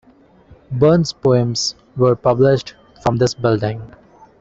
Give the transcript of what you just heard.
Burn's poems were published from this building.